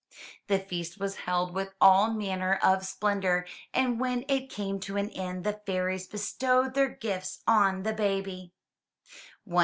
The feast was held with all manner of splendor, and when it came to an end the fairies bestowed their gifts on the baby.